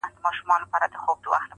بدراتلونکی دې مستانه حال کي کړې بدل.